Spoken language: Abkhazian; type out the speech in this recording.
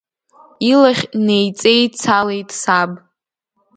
Илахь неиҵеицалеит саб.